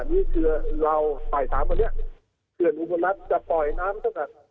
ที่เผื่อเราใส่ถามวันนี้เกือบอุโมนัสจะปล่อยน้ำเท่ากัน